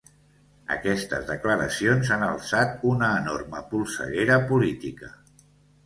Aquestes declaracions han alçat una enorme polseguera política.